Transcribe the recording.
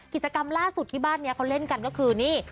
กิจกรรมล่าสุดที่บ้านนี้เขาเล่นกันก็คือนี่